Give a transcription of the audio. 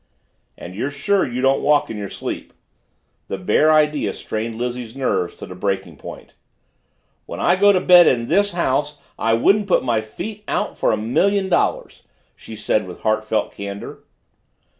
"And you're sure you don't walk in your sleep?" The bare idea strained Lizzie's nerves to the breaking point. "When I get into bed in this house I wouldn't put my feet out for a million dollars!" she said with heartfelt candor.